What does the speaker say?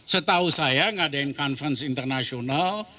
setahu saya ngadain conference internasional